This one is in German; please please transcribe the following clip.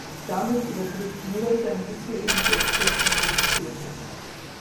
Damit übertrifft Müller seinen bisherigen Bestwert um fünf Zehntel.